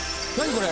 これ。